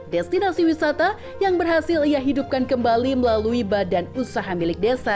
destinasi wisata yang berhasil ia hidupkan kembali melalui badan usaha milik desa